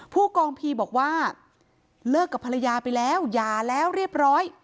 ผู้กองพีบอกว่าเลิกกับภรรยาไปแล้วหย่าแล้วเรียบร้อย